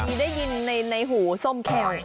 มีได้ยินในหูส้มแคล